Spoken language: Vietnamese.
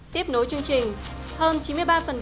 tiếp nối chương trình